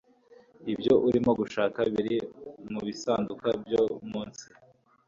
ibyo urimo gushaka biri mubisanduku byo munsi